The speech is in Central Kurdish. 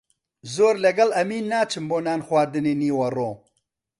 زۆر لەگەڵ ئەمین ناچم بۆ نانخواردنی نیوەڕۆ.